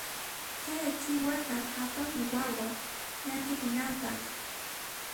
Chay achiwata apamuy wawa llanthukunanpaq.